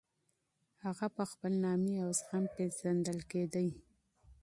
هغه په خپل نامې او زغم پېژندل کېدی.